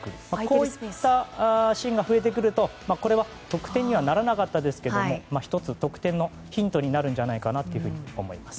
こういったシーンが増えてくるとこれは得点にはならなかったですけれども１つ得点のヒントになるんじゃないかと思います。